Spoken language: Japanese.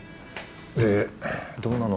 でどうなの？